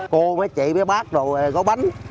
cô mấy chị mấy bác rồi có bánh